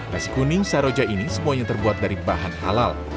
nasi kuning saroja ini semuanya terbuat dari bahan halal